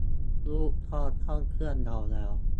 รูปก็เข้าเครื่องเราแล้ว